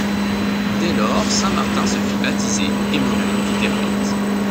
Dès lors saint Martin se fit baptiser et mena une vie d'ermite.